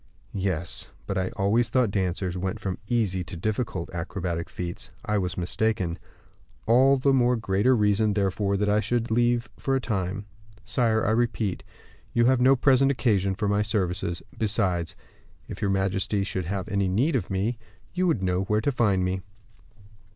"Yes; but I always thought dancers went from easy to difficult acrobatic feats. I was mistaken; all the more greater reason, therefore, that I should leave for a time. Sire, I repeat, you have no present occasion for my services; besides, if your majesty should have any need of me, you would know where to find me."